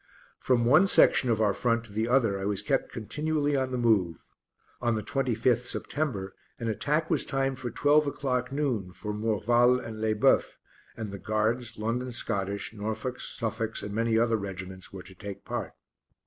From one section of our front to the other I was kept continually on the move. On the 25th September an attack was timed for twelve o'clock noon for Morval and Lesboeufs, and the Guards, London Scottish, Norfolks, Suffolks and many other regiments were to take part.